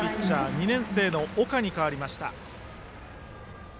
２年生の岡に代わりました。